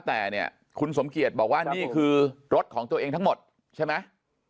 แต่เนี่ยคุณสมเกียจบอกว่านี่คือรถของตัวเองทั้งหมดใช่ไหม